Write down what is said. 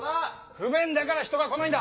不便だから人が来ないんだ！